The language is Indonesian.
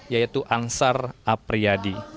yaitu ansar apriyadi